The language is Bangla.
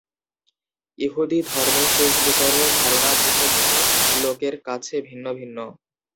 ইহুদি ধর্মে শেষ বিচারের ধারণা ভিন্ন ভিন্ন লোকের কাছে ভিন্ন ভিন্ন।